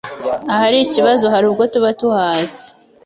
Ahari ikibazo hari ubwo tuba tuhazi,